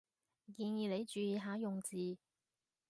建議你注意下用字